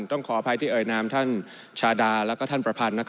ต้องขออภัยที่เอ่ยนามท่านชาดาแล้วก็ท่านประพันธ์